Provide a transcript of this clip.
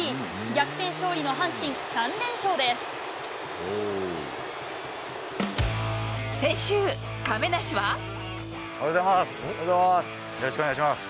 逆転勝利の阪神、３連勝です。